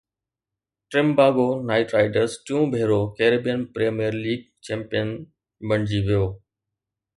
Trinbago Knight Riders ٽيون ڀيرو Caribbean Premier League champion بڻجي ويو